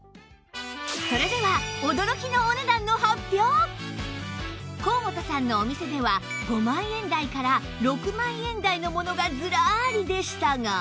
それでは高本さんのお店では５万円台から６万円台のものがずらりでしたが